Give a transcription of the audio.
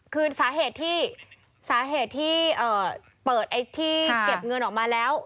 คือสาเหตุที่เปิดที่เก็บเงินออกมาแล้ว